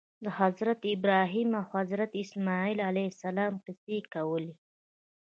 د حضرت ابراهیم او حضرت اسماعیل علیهم السلام قصې کولې.